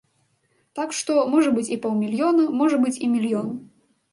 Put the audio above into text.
Так што, можа быць і паўмільёна, можа быць, і мільён.